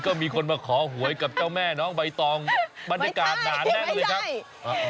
ก็มีคนมาขอหวยกับเจ้าแม่น้องใบตองบรรยากาศหนาแน่นเลยครับ